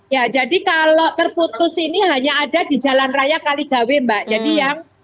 ya jadi kalau terputus ini hanya ada di jalan raya kaligawi mbak jadi yang